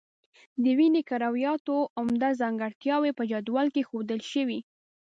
د وینې کرویاتو عمده ځانګړتیاوې په جدول کې ښودل شوي.